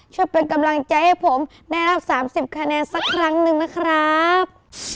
ช่วยเป็นกำลังใจให้ผมได้รับ๓๐คะแนนสักครั้งหนึ่งนะครับ